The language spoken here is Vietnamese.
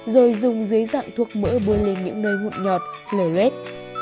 rồi dùng dưới dạng thuốc mỡ bôi lên những nơi ngụt nhọt lời lết